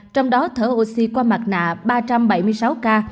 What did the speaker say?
trong đó thở oxy qua mặt nạ ba trăm bảy mươi sáu ca